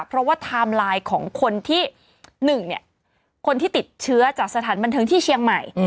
เพราะว่าไทม์ไลน์ของคนที่๑คนที่ติดเชื้อจากสถานบันเทิงที่เชียงใหม่